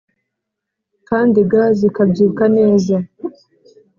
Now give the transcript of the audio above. kandi ga zikabyuka neza